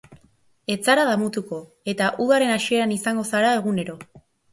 Ez zara damutuko, eta udaren hasieran izango zara egunero.